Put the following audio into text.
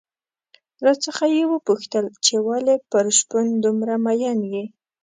راڅخه یې وپوښتل چې ولې پر شپون دومره مين يې؟